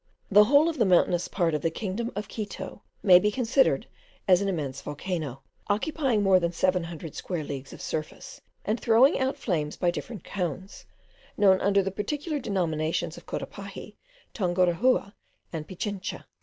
The whole of the mountainous part of the kingdom of Quito may be considered as an immense volcano, occupying more than seven hundred square leagues of surface, and throwing out flames by different cones, known under the particular denominations of Cotopaxi, Tungurahua, and Pichincha.